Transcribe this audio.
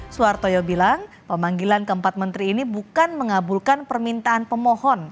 suhartoyo bilang pemanggilan keempat menteri ini bukan mengabulkan permintaan pemohon